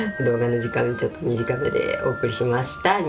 動画の時間ちょっと短めでお送りしました。